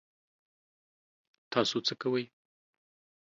تاسو څه کوئ؟